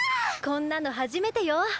こんなの初めてよ。